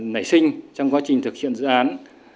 nảy sinh trong quá trình thực hiện dự án